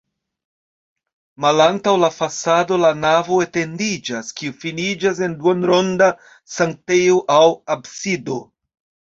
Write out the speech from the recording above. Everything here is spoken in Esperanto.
Malantaŭ la fasado la navo etendiĝas, kiu finiĝas en duonronda sanktejo aŭ absido.